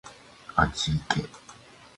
あっちいけ